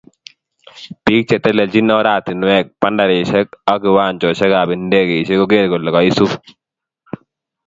Biik chetelelchini oratinweek, bandarisyek ako kiwanjosyekab indegeisyek koger kole kaisup